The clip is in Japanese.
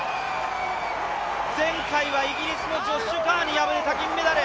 前回はイギリスのジョッシュ・カーに敗れた銀メダル。